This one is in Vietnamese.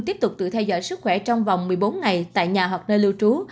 tiếp tục tự theo dõi sức khỏe trong vòng một mươi bốn ngày tại nhà hoặc nơi lưu trú